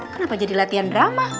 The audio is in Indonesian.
kenapa jadi latihan drama